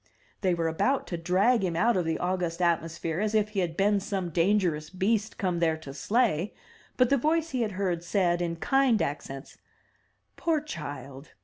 '' They were about to drag him out of the august atmosphere as if he had been some dangerous beast come there to slay, but the voice he had heard said in kind accents, "Poor child!